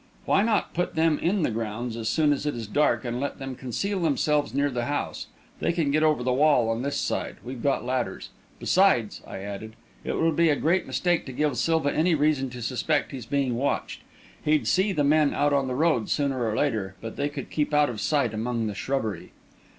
"Why not put them in the grounds, as soon as it is dark, and let them conceal themselves near the house? They can get over the wall on this side. We've got ladders. Besides," I added, "it would be a great mistake to give Silva any reason to suspect he's being watched. He'd see the men out on the road, sooner or later; but they could keep out of sight among the shrubbery."